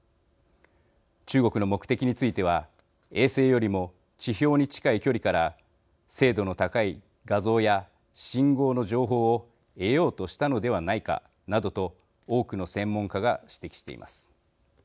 中国の目的については衛星よりも地表に近い距離から精度の高い画像や信号の情報を得ようとしたのではないかなどと多くの専門家が指摘しています。